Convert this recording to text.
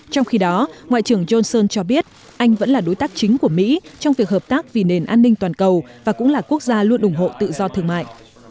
trong khi đó ngoại trưởng johnson cho biết anh vẫn là đối tác chính của mỹ trong việc hợp tác vì nền an ninh toàn cầu và cũng là quốc gia luôn ủng hộ tự do thương mại